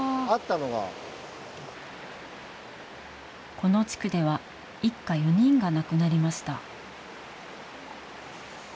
この地区では、一家４人が亡くなりました。